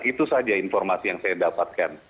itu saja informasi yang saya dapatkan